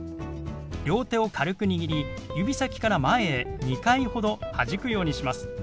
両手を軽く握り指先から前へ２回ほどはじくようにします。